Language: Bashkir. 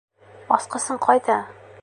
Асҡысың ҡайҙа?